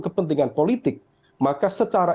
kepentingan politik maka secara